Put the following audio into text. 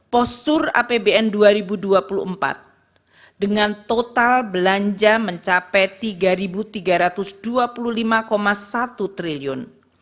postur apbn dua ribu dua puluh empat dengan total belanja mencapai rp tiga tiga ratus dua puluh lima satu triliun